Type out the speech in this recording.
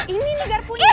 ini nih garpunya